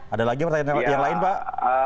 ada lagi pertanyaan yang lain pak